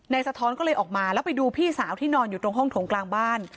สะท้อนก็เลยออกมาแล้วไปดูพี่สาวที่นอนอยู่ตรงห้องถงกลางบ้าน